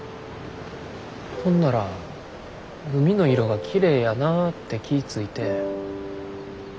ほんなら海の色がきれいやなって気ぃ付いて。